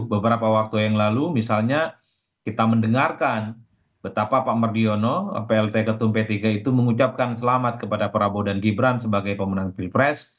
beberapa waktu yang lalu misalnya kita mendengarkan betapa pak mardiono plt ketum p tiga itu mengucapkan selamat kepada prabowo dan gibran sebagai pemenang pilpres